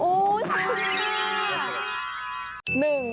โอ้โหมด